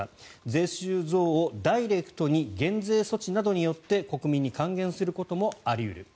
税収増をダイレクトに減税措置などによって国民に還元することもあり得る。